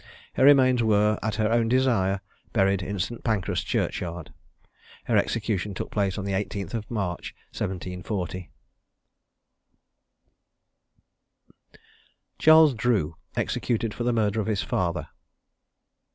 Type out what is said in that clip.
Her remains were, at her own desire, buried in St. Pancras churchyard. Her execution took place on the 18th March, 1740. CHARLES DREW. EXECUTED FOR THE MURDER OF HIS FATHER.